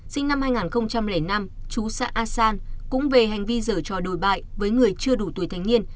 sinh năm hai nghìn năm chú xã asan cũng về hành vi dở trò đổi bại với người chưa đủ tuổi thanh niên